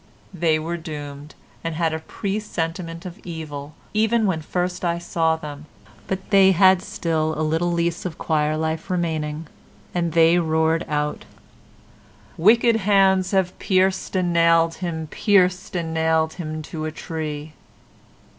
They were doomed and had a presentiment of evil, even when first I saw them, but they had still a little lease of choir life remaining, and they roared out wick ed hands have pierced and nailed him, pierced and nailed him to a tree.